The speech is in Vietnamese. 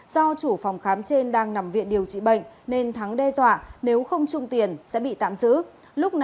do chủ phòng khám trên đang nằm viện điều trị bệnh nên thắng đe dọa nếu không trung tiền sẽ bị tạm giữ